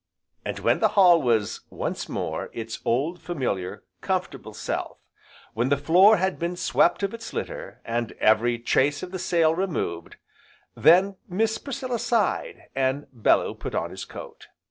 And when the hall was, once more, its old, familiar, comfortable self, when the floor had been swept of its litter, and every trace of the sale removed, then Miss Priscilla sighed, and Bellew put on his coat.